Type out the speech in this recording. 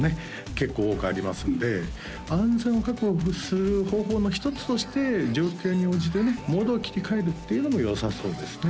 結構多くありますんで安全を確保する方法の一つとして状況に応じてねモードを切り替えるっていうのもよさそうですね